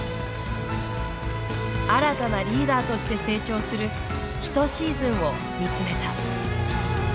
新たなリーダーとして成長する１シーズンを見つめた。